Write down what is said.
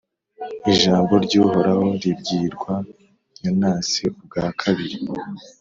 ijambo ry’uhoraho ribwirwa yonasi ubwa kabiri